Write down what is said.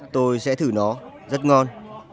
tôi sẽ thử nó rất ngon